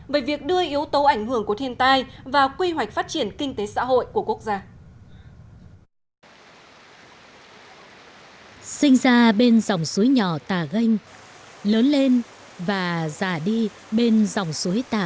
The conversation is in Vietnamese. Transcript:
về việc đưa yếu tố ảnh hưởng của thiên tai vào quy hoạch phát triển kinh tế xã hội của quốc gia